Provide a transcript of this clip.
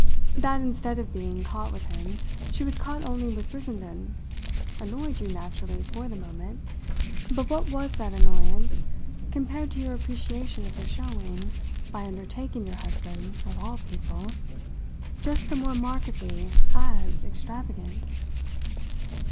That instead of being caught with him she was caught only with Brissenden annoyed you naturally for the moment; but what was that annoyance compared to your appreciation of her showing by undertaking your husband, of all people! just the more markedly as extravagant?"